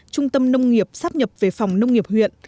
trung tâm nông nghiệp sắp nhập về phòng nông nghiệp huyện